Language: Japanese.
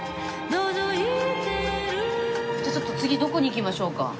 じゃあちょっと次どこに行きましょうか？